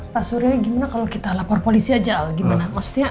pak surya gimana kalau kita lapor polisi aja gimana maksudnya